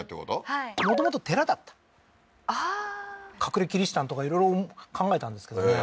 はいもともと寺だったああー隠れキリシタンとかいろいろ考えたんですけどね